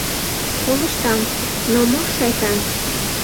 Колыштам: но мо шайтан!